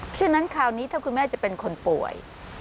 ฉะนั้นคราวนี้ถ้าคุณแม่จะเป็นคนป่วย